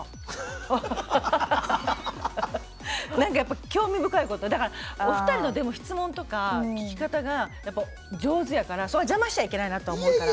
なんかやっぱ興味深いことだからお二人のでも質問とか聞き方がやっぱ上手やからそれは邪魔しちゃいけないなとは思うから。